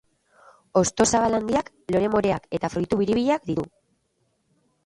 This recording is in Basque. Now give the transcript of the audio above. Hosto zabal handiak, lore moreak eta fruitu biribilak ditu.